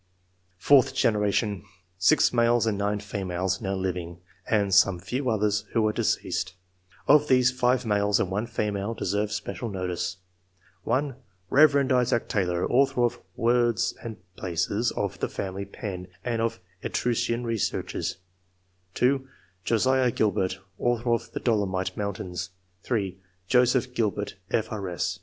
Fourth generation. — 6 males and 9 females now living, and some few others who are de ceased ; of these, 5 males and 1 female deserve special notice :— (1) Rev. Isaac Taylor, author of " Words and Phices,'' of " The Family Pen," and of "Etruscan Researches;" (2) Josiah Gilbert, author of "The Dolomite Mountains;" (3) Joseph Gilbert, F.R.S.